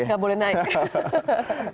enggak boleh naik